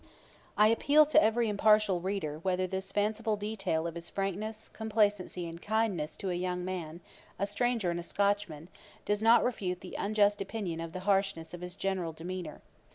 I appeal to every impartial reader whether this faithful detail of his frankness, complacency, and kindness to a young man, a stranger and a Scotchman, does not refute the unjust opinion of the harshness of his general demeanour.